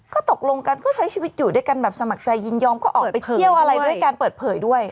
ก็ตกลงกันก็ใช้ชีวิตอยู่ด้วยกันแบบสมัครใจยินยอมก็ออกไปเที่ยวอะไรด้วยการเปิดเผยด้วย